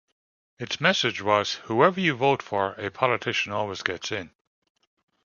Its message was Whoever you vote for, a politician always gets in!